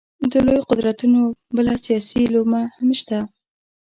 د لویو قدرتونو بله سیاسي لومه هم شته.